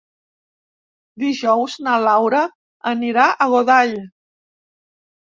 Dijous na Laura anirà a Godall.